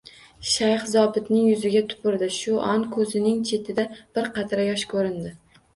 Shayx zobitning yuziga tupurdi, shu on ko`zining chetida bir qatra yosh ko`rindi